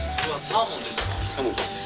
サーモンです